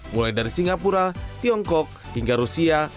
mulai dari singapura tiongkok hingga rusia